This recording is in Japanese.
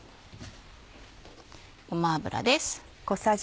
ごま油です。